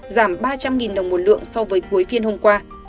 giảm ba trăm linh đồng một lượng so với cuối phiên hôm qua